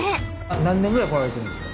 何年ぐらい来られてるんですか？